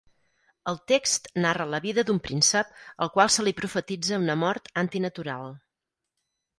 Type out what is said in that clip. El text narra la vida d'un príncep al qual se li profetitza una mort antinatural.